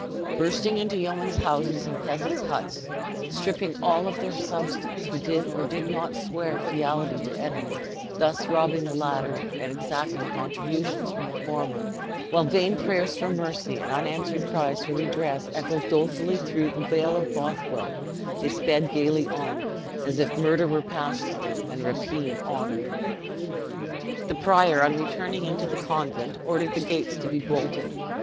Bursting into yeomen's houses and peasants' huts, stripping all of their substance who did or did not swear fealty to Edward; thus robbing the latter, and exacting contributions from the former; while vain prayers for mercy and unanswered cries for redress echoed dolefully through the vale of Bothwell, they sped gayly on, as if murder were pastime and rapine honor. The prior, on returning into the convent, ordered the gates to be bolted.